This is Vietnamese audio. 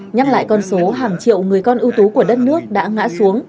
nhắc lại con số hàng triệu người con ưu tú của đất nước đã ngã xuống